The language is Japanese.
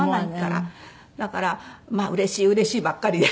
だからうれしいうれしいばっかりで。